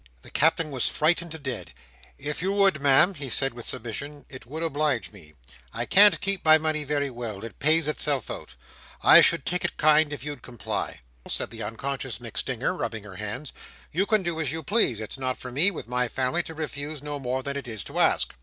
The Captain was frightened to dead "If you would Ma'am," he said with submission, "it would oblige me. I can't keep my money very well. It pays itself out. I should take it kind if you'd comply." "Well, Cap'en Cuttle," said the unconscious MacStinger, rubbing her hands, "you can do as you please. It's not for me, with my family, to refuse, no more than it is to ask."